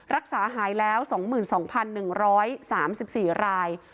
รักษาหายแล้ว๒๒๑๓๔ราย